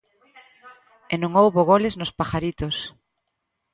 E non houbo goles nos Pajaritos.